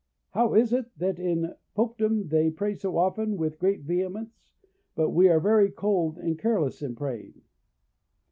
how is it, that in Popedom they pray so often with great vehemence, but we are very cold and careless in praying?